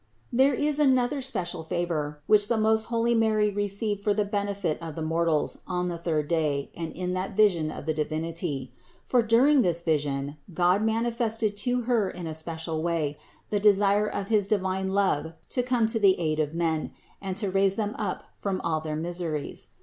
32. There is another special favor, which the most holy Mary received for the benefit of the mortals on the third day and in that vision of the Divinity; for during this vision God manifested to Her in a special way the desire of his divine love to come to the aid of men and to raise them up from all their miseries.